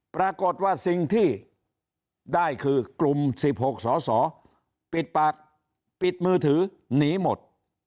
ปรากฏว่าสิ่งที่ได้คือกลุ่ม๑๖สอสอปิดปากปิดมือถือหนีหมด